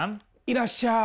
いらっしゃい。